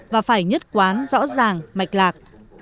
và phải nhất quán rõ ràng mạch lạc